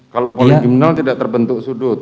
kalau kolegiminal tidak terbentuk sudut